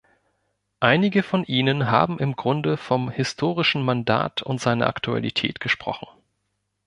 Einige von Ihnen haben im Grunde vom historischen Mandat und seiner Aktualität gesprochen.